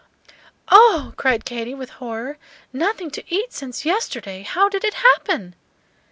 "Oh!" cried Katy, with horror, "nothing to eat since yesterday! How did it happen?"